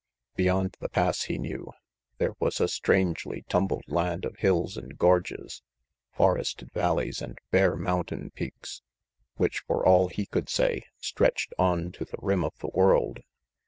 Beyond the Pass, he knew, there was a strangely tumbled land of hills and gorges , forested valleys and bare mountain peaks, which, for all he could say, stretched on to the rim of the world.